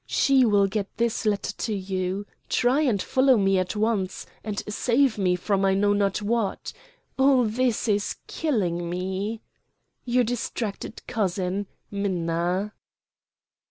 She will get this letter to you. Try and follow me at once, and save me from I know not what. All this is killing me. Your distracted cousin, MINNA."